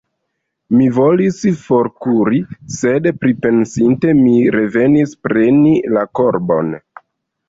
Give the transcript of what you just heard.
Mi volis forkuri, sed pripensinte mi revenis preni la korbon.